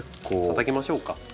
たたきましょうか。